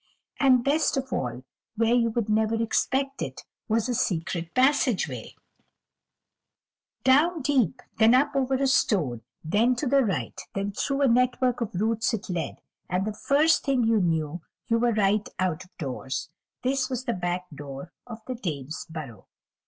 And best of all, where you never would expect it, was a secret passageway; down deep, then up over a stone, then to the right, then through a network of roots it led, and the first thing you knew you were right out of doors. This was the back door of the Dame's burrow.